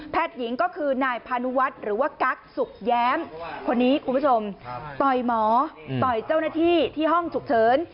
หญิงก็คือนายพานุวัฒน์หรือว่ากั๊กสุกแย้มคนนี้คุณผู้ชมต่อยหมอต่อยเจ้าหน้าที่ที่ห้องฉุกเฉิน